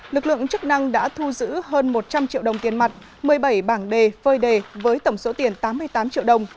lực lượng chức năng đã thu giữ hơn một trăm linh triệu đồng tiền mặt một mươi bảy bảng đề phơi đề với tổng số tiền tám mươi tám triệu đồng